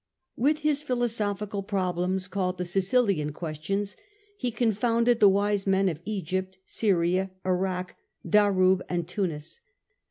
With his philosophical problems, called the Sicilian Questions, he confounded the wise men of Egypt, Syria, Irak, Daroub and Tunis.